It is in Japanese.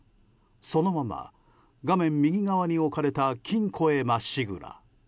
そのまま画面右側に置かれた金庫にまっしぐら。